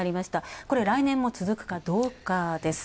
これは来年も続くかどうかです。